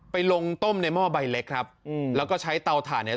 ไปลงต้มในหม้อใบเล็กครับอืมแล้วก็ใช้เตาถ่านเนี่ย